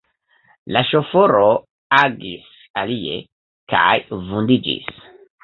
La ŝoforo agis alie, kaj vundiĝis.